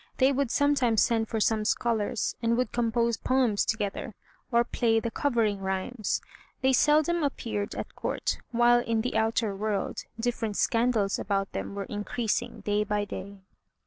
They would sometimes send for some scholars, and would compose poems together, or play the "Covering Rhymes." They seldom appeared at Court, while in the outer world different scandals about them were increasing day by day.